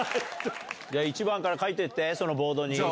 １番から書いてそのボードに。